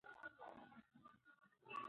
د پښتو ادب ځلانده ستوري به تل ځلېدونکي پاتې شي.